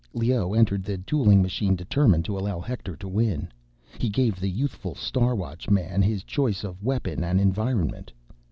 Leoh entered the dueling machine determined to allow Hector to win. He gave the youthful Star Watchman his choice of weapon and environment.